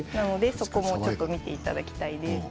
そこも見ていただきたいです。